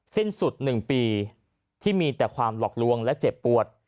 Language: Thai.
สิ้นสุด๑ปีที่มีแต่ความหลอกลวงและเจ็บปวด